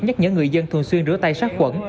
nhắc nhở người dân thường xuyên rửa tay sát quẩn